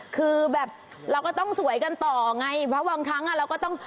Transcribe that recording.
คือแบบเราก็ต้องสวยกันต่อไงเพราะบางครั้งอ่ะเราก็ต้อง